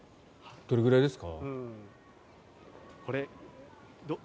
どれぐらいですか？